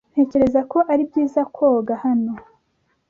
Ntekereza ko ari byiza koga hano.